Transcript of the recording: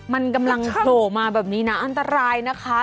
มันกำลังโผล่มาแบบนี้นะอันตรายนะคะ